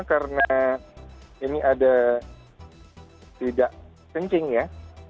karena ini ada tidak kencingnya